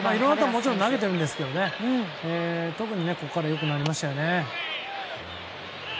もちろん投げてるんですけど特にここからよくなりましたよね。